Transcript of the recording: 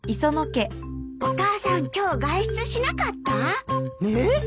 お母さん今日外出しなかった？えっ！？